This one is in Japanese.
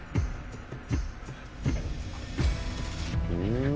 うん！